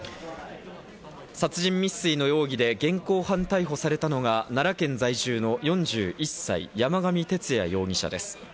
殺人未遂の容疑で現行犯逮捕されたのが、奈良県在住の４１歳、山上徹也容疑者です。